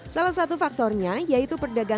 salah satu faktornya yaitu perdagangan